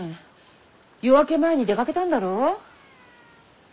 夜明け前に出かけたんだろう？